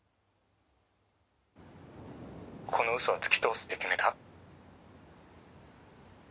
「この嘘はつき通すって決めた」